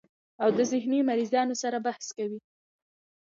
او د ذهني مريضانو سره بحث